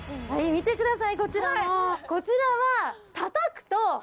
見てくださいこちらも。こちらは。